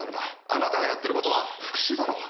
あなたがやっていることは復讐だろ。